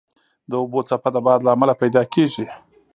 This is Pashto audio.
د اوبو څپه د باد له امله پیدا کېږي.